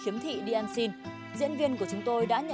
em đi xin tiền cho con em ốm ở nhà